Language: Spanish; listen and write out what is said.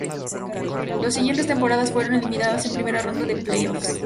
Las dos siguientes temporadas fueron eliminados en primera ronda de play-offs.